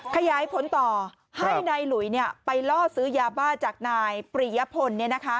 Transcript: ขยายผลต่อให้นายหลุยไปล่อซื้อยาบ้าจากนายปริยพล